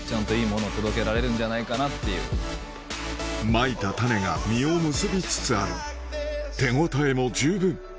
まいた種が実を結びつつある手応えも十分